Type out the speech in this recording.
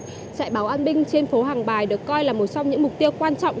giải báo an binh trên phố hàng bài được coi là một trong những mục tiêu quan trọng